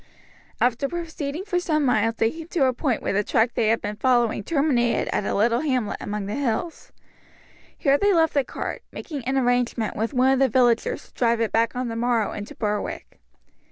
After proceeding for some miles they came to a point where the track they had been following terminated at a little hamlet among the hills. Here they left the cart, making an arrangement with one of the villagers to drive it back on the morrow into Berwick.